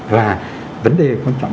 và vấn đề quan trọng